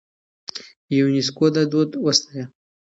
يونيسکو دا دود وستايه.